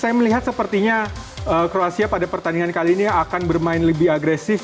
dan saya melihat sepertinya kruasia pada pertandingan kali ini akan bermain lebih agresif